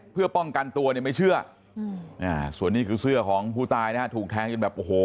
เพื่อป้องกันตัวเนี่ยไม่เชื่อส่วนนี้คือเสื้อของผู้ตายนะฮะถูกแทงจนแบบโอ้โห